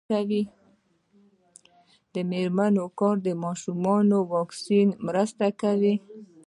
د میرمنو کار د ماشومانو واکسین مرسته کوي.